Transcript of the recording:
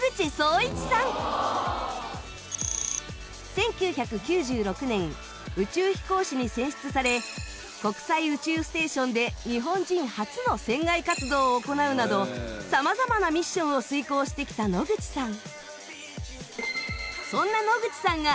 １９９６年宇宙飛行士に選出され国際宇宙ステーションで日本人初の船外活動を行うなどさまざまなミッションを遂行してきた野口さん。